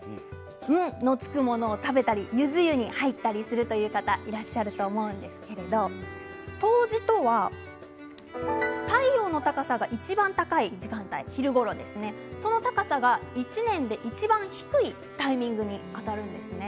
んの付くものを食べたりゆず湯に入ったりする方多いと思いますが冬至とは太陽の高さがいちばん高い時間帯昼ごろですね、その高さが１年でいちばん低いタイミングにあたるんですね。